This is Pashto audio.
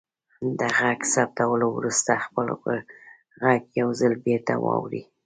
د غږ ثبتولو وروسته خپل غږ یو ځل بیرته واورئ.